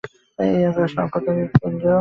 এই আকাশ, অনন্ত নক্ষত্রপুঞ্জ?